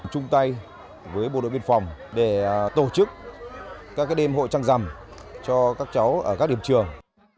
chung tay với bộ đội biên phòng để tổ chức các đêm hội trăng rằm cho các cháu ở các điểm trường